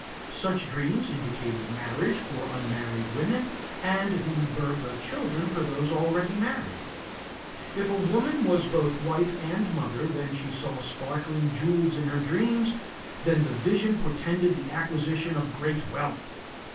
Such dreams indicated marriage for unmarried women, and the birth of children for those already married. If a woman was both wife and mother when she saw sparkling jewels in her dream, then the vision portended the acquisition of great wealth.